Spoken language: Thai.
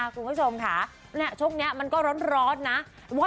คุณผู้ชมค่ะช่วงนี้มันก็ร้อนนะ